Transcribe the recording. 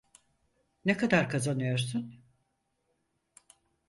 Ne kadar kazanıyorsun?